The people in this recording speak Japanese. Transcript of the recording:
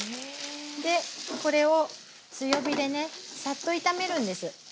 でこれを強火でねサッと炒めるんです。